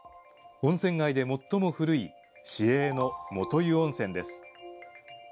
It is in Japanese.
温泉街で最も古い市営のもとゆ温泉です。